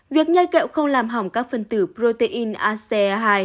việc nhai kẹo không làm hỏng các phần tử protein ace hai